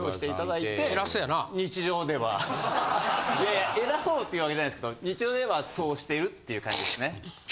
いやいや偉そうっていう訳じゃないですけど日常ではそうしてるっていう感じですね。